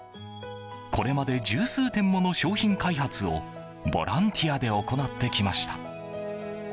これまで十数点もの商品開発をボランティアで行ってきました。